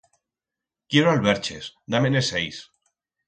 Quiero alberches, da-me-ne seis.